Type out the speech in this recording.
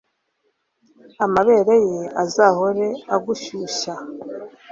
amabere ye azahore agushyushya